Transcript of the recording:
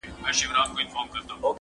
په خپل شعر او ستا په ږغ یې ویښومه٫